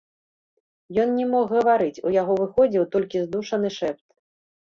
Ён не мог гаварыць, у яго выходзіў толькі здушаны шэпт.